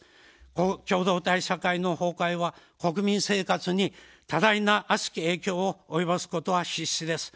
共同体社会の崩壊は、国民生活に多大な悪しき影響を及ぼすことは必至です。